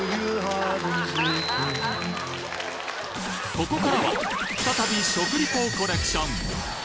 ここからは再び食リポコレクション